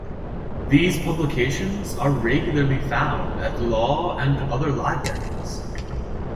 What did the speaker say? These publications are regularly found at law and other libraries.